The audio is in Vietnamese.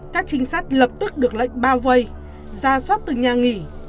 các trinh sát lập tức được lệnh bao vây ra soát từng nhà nghỉ